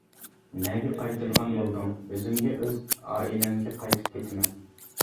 -نەگە قايتىدىغان بولدۇڭ؟ -ئۆزۈمگە، ئۆز ئائىلەمگە قايتىپ كېتىمەن.